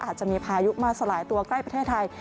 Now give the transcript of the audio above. อาจจะมีพายุมาสลายตัวใกล้ประเทศไทย